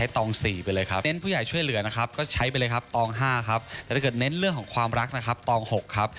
แต่ถ้าเกิดเน้นเรื่องของความรักนะครับตอง๖ครับ